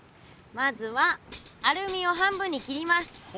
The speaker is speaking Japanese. まずはアルミを半分に切ります。